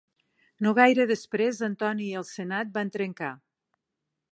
No gaire després Antoni i el senat van trencar.